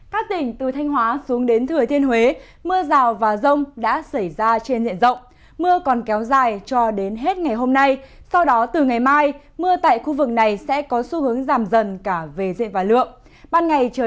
các tỉnh từ thanh hóa xuống đến thừa thiên huế mưa rào và rông đã xảy ra trên diện rộng mưa còn kéo dài cho đến hết ngày hôm nay sau đó từ ngày mai mưa tại khu vực này sẽ có xu hướng giảm dần cả về diện và lượng